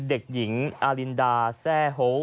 เด็กหญิงอารินดาแซ่โฮ